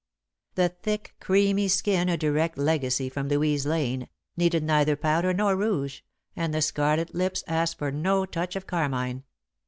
The thick, creamy skin, a direct legacy from Louise Lane, needed neither powder nor rouge, and the scarlet lips asked for no touch of carmine.